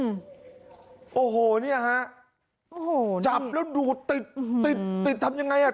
โอ้โหเนี่ยฮะโอ้โหจับแล้วดูดติดติดทำยังไงอ่ะ